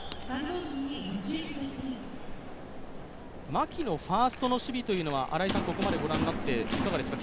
牧のファーストの守備というのは、ここまでご覧になっていかがですか。